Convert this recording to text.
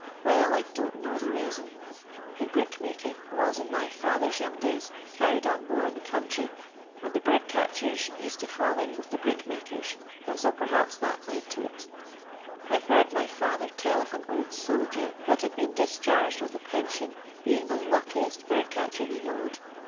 Well, I don't know the reason. The brick making was, in my fsther^s young days, carried on more in tiie country, and the bird catchers used to fidl in with the brick makers, and so perhaps that led to it I 've heard my fiitber tell of an old soldier that had been dis charged with a pension being the. luckiest bird catcher he knowed.